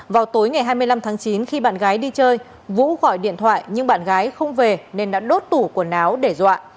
vào tối ngày hai mươi năm tháng chín khi bạn gái đi chơi vũ gọi điện thoại nhưng bạn gái không về nên đã đốt tủ quần áo để dọa